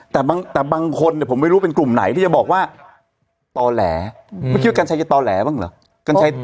แต่บางคนเนี่ยผมไม่รู้เป็นกลุ่มไหนที่จะบอกว่าต่อแหลเมื่อกี้ว่ากัญชัยจะต่อแหลบ้างเหรอ